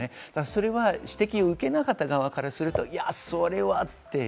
それは指摘を受けなかった側からすると、それはって。